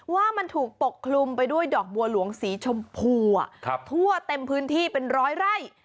ว่ามันถูกปกคลุมไปด้วยดอกบัวหลวงสีชมพูทั่วเต็มพื้นที่เป็นร้อยไร่